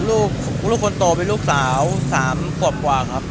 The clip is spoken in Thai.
ลูกลูกคนโตเป็นลูกสาว๓ขวบกว่าครับ